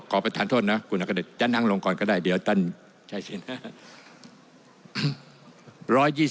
ขอเป็นทานทนนะคุณอังกฤษจะนั่งลงก่อนก็ได้เดี๋ยวตั้ง